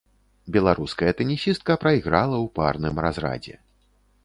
Беларуская тэнісістка прайграла ў парным разрадзе.